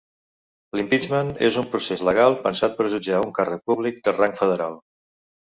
Limpeachment és un procés legal pensat per jutjar un càrrec públic de rang federal.